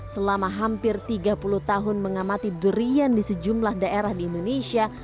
selama hampir tiga puluh tahun mengamati durian di sejumlah daerah di indonesia